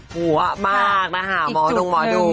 หัวมากนะคะหมอดงหมอดู